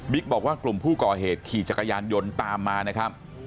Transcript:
บอกว่ากลุ่มผู้ก่อเหตุขี่จักรยานยนต์ตามมานะครับ